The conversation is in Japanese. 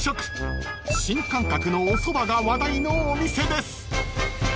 ［新感覚のおそばが話題のお店です］